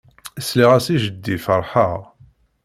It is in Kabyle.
Sliɣ-as i jeddi ferḥeɣ.